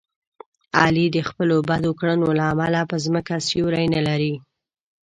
علي د خپلو بدو کړنو له امله په ځمکه سیوری نه لري.